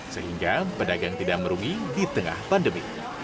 sehingga pedagang tidak merugi di tengah pandemi